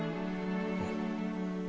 うん。